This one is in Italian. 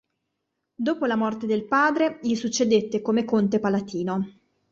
Dopo la morte del padre, gli succedette come conte palatino.